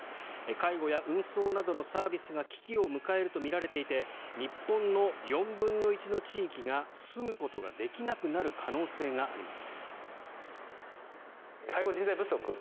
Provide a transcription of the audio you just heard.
介護や運送などのサービスが危機を迎えるとみられていて日本の４分の１の地域が住むことができなくなる可能性があります。